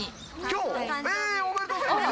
きょう？おめでとうございます。